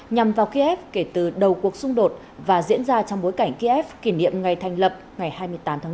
nhằm vào kiev kể từ đầu cuộc xung đột và diễn ra trong bối cảnh kiev kỷ niệm ngày thành lập ngày hai mươi tám tháng năm